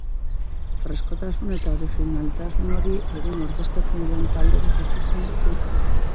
Freskotasun eta originaltasun hori egun ordezkatzen duen talderik ikusten duzu?